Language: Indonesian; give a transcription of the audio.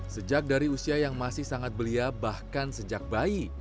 sejak dari usia yang masih sangat belia bahkan sejak bayi